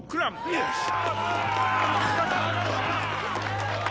よし！